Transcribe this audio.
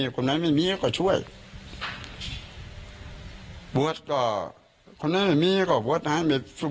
ข้างหน้าไม่มีก็จะช่วย